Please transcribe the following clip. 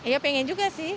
ya pengen juga sih